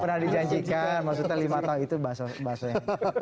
pernah dijanjikan maksudnya lima tahun itu bahasanya